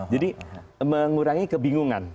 jadi mengurangi kebingungan